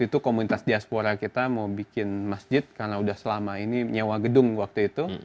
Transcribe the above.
itu komunitas diaspora kita mau bikin masjid karena udah selama ini nyewa gedung waktu itu